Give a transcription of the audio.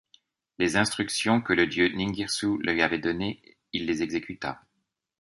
Les instructions que le dieu Ningirsu lui avait données, il les exécuta.